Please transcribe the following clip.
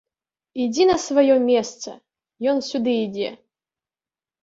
Ідзі на сваё месца, ён сюды ідзе!